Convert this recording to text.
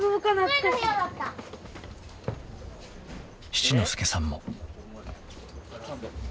［七之助さんも］